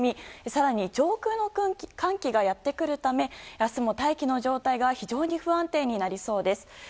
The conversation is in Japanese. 更に上空の寒気がやってくるため明日も、大気の状態が非常に不安定になりそうです。